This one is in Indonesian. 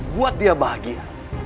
buat dia bahagia